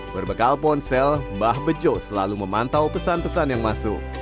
berbekal ponsel mbah bejo selalu memantau pesan pesan yang masuk